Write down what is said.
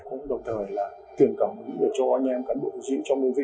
cũng đồng thời là tiền cầm để cho anh em cắn độ dịu trong đơn vị